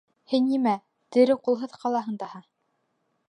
— Һин нимә, тере ҡулһыҙ ҡалаһың даһа.